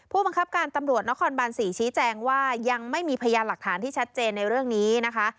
ผู้บังคับการตำรวจนครบาน๔ชี้แจงว่ายังไม่มีพยานหลักฐานที่ชัดเจนในเรื่องนี้นะคะ